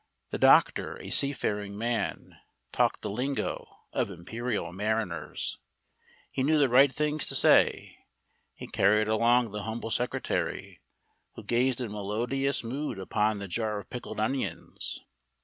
The doctor, a seafaring man, talked the lingo of imperial mariners: he knew the right things to say: he carried along the humble secretary, who gazed in melodious mood upon the jar of pickled onions.